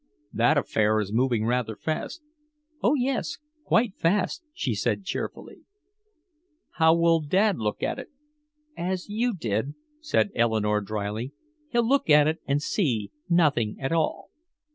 "That affair is moving rather fast." "Oh yes, quite fast," she said cheerfully. "How will Dad look at it?" I asked. "As you did," said Eleanore dryly. "He'll look at it and see nothing at all."